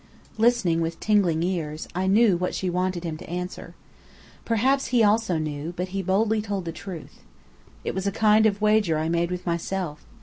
Listening with tingling ears, I knew what she wanted him to answer. Perhaps he also knew, but he boldly told the truth. "It was a kind of wager I made with myself.